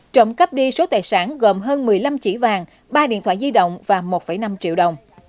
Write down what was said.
trộm cắp đi số tài sản gồm hơn một mươi năm chỉ vàng ba điện thoại di động và một năm triệu đồng